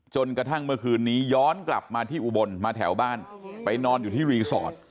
จนกระทั่งเมื่อคืนนี้ย้อนกลับมาที่อุบลมาแถวบ้านไปนอนอยู่ที่รีสอร์ท